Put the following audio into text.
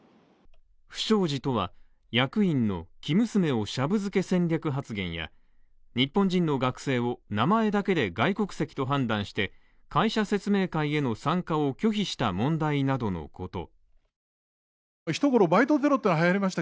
不祥事とは、役員の生娘をシャブ漬け戦略発言や、日本人の学生を名前だけで外国籍と判断して、会社説明会への参加を拒否した問題などのこと。